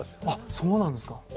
ああそうなんですか。